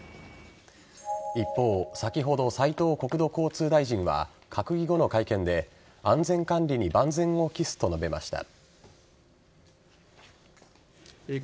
一方、先ほど斎藤国土交通大臣は閣議後の会見で安全管理に万全を期すと述べました。